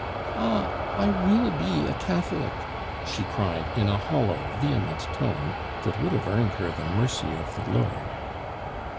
"Ah, I will be a Catholic!" she cried in a hollow, vehement tone, that would have earned her the mercy of the Lord.